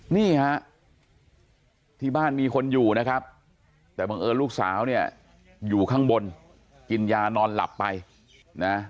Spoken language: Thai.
นี่ฮะที่บ้านมีคนอยู่นะครับแต่บังเอิญลูกสาวเนี่ยอยู่ข้างบนกินยานอนหลับไปนะ